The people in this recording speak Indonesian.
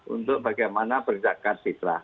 untuk bagaimana berzakat fitrah